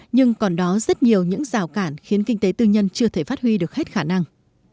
nhưng còn đó rất nhiều những rào cản khiến kinh tế tư nhân chưa thể phát huy được hết khả năng